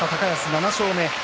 ７勝目。